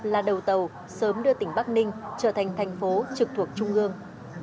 là đầu tàu sớm đưa tỉnh bắc ninh trở thành thành phố trực thuộc trung ương